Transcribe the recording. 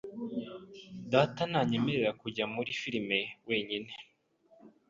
Data ntanyemerera kujya muri firime wenyine.